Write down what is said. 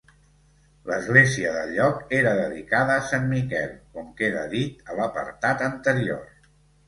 L'església del lloc era dedicada a sant Miquel, com queda dit a l'apartat anterior.